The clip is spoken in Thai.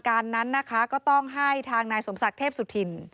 การนั้นก็ต้องให้ทางนายสมศักรณ์เทพสุถิณ